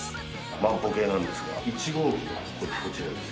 万歩計なんですが１号機がこちらです。